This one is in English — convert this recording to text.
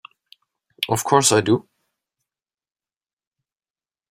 Of course I do!